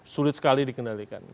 sulit sekali dikendalikan